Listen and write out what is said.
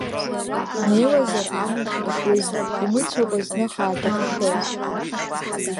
Бнеиуазар амҩахь иԥшуеит, имыцәакәа зных аадыршоит.